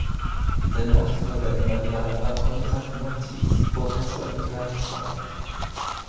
Sein Nachfolger im Mandat war Conrad Matthies, Professor in Greifswald.